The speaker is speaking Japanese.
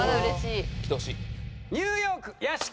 ニューヨーク屋敷。